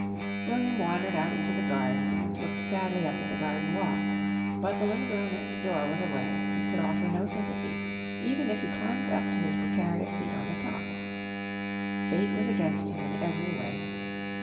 William wandered out into the garden and looked sadly up at the garden wall. But The Little Girl Next Door was away and could offer no sympathy, even if he climbed up to his precarious seat on the top. Fate was against him in every way.